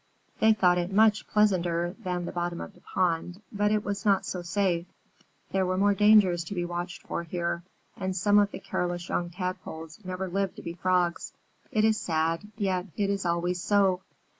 They thought it much pleasanter than the bottom of the pond, but it was not so safe. There were more dangers to be watched for here, and some of the careless young Tadpoles never lived to be Frogs. It is sad, yet it is always so.